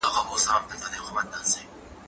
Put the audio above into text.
کالي ومينځه،